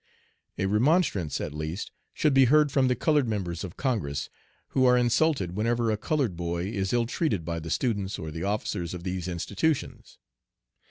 A remonstrance, at least, should be heard from the colored members of Congress, who are insulted whenever a colored boy is ill treated by the students or the officers of these institutions.